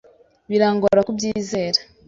Birangora kubyizera.